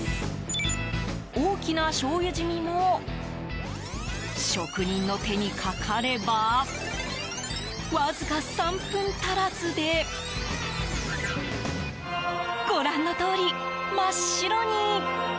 大きな、しょうゆ染みも職人の手にかかればわずか３分足らずでご覧のとおり真っ白に。